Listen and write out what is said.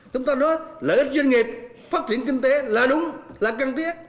chúng ta nói lợi ích doanh nghiệp phát triển kinh tế là đúng là cần thiết